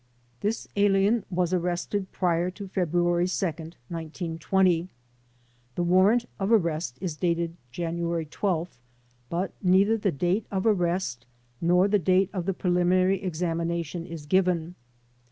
This alien was arrested prior to February 2, 1920. The warrant of arrest is dated January 12th, but neither the date of arrest nor the date of the preliminary examina tion is given.